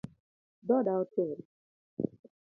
Dhoda otur